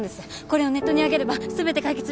これをネットにあげれば全て解決。